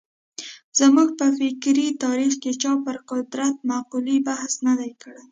زموږ په فکري تاریخ کې چا پر قدرت مقولې بحث نه دی کړی.